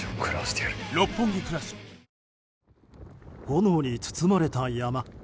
炎に包まれた山。